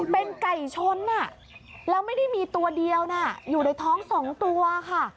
เป็นไก่ชนแล้วไม่ได้มีตัวเดียวนะอยู่ในท้อง๒ตัวค่ะ